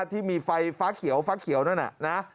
ที่มีไฟฟ้าเขียวนั่น